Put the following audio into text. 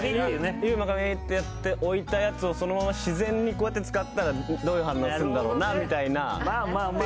悠馬がうぇってやって置いたやつをそのまま自然にこうやって使ったらどういう反応するんだろうなっていう遊び。